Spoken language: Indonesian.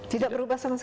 tidak berubah sama sekali